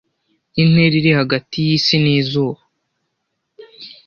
Intera iri hagati y'isi n'izuba